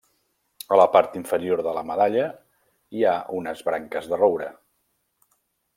A la part inferior de la medalla hi ha unes branques de roure.